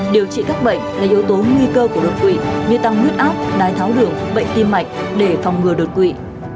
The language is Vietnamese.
điều trị các bệnh là yếu tố nguy cơ của đột quỵ như tăng huyết áo đai tháo đường bệnh tim mạnh để phòng ngừa đột quỵ